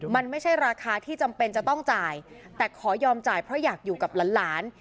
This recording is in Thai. มันไม่ใช่ราคาที่จำเป็นจะต้องจ่ายแต่ขอยอมจ่ายเพราะอยากอยู่กับหลาน